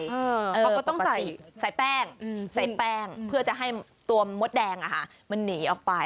ปกติใส่แป้งเพื่อจะให้ตัวมดแดงมันหนีออกไป